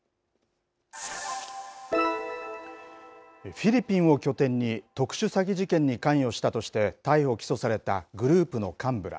フィリピンを拠点に特殊詐欺事件に関与したとして逮捕・起訴されたグループの幹部ら。